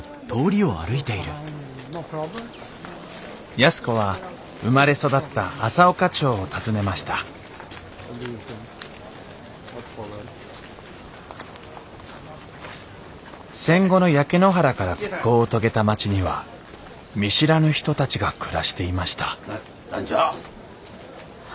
安子は生まれ育った朝丘町を訪ねました戦後の焼け野原から復興を遂げた町には見知らぬ人たちが暮らしていましたな何じゃあ？